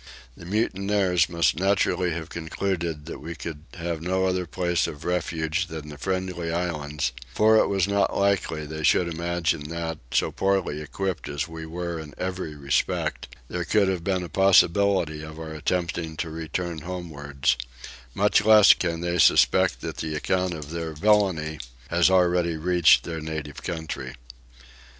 The mutineers must naturally have concluded that we could have no other place of refuge than the Friendly Islands for it was not likely they should imagine that, so poorly equipped as we were in every respect, there could have been a possibility of our attempting to return homewards: much less can they suspect that the account of their villainy has already reached their native country.